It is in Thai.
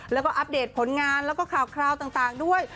แล้วก็อัปเดตผลงานแล้วก็ข่าวต่างด้วย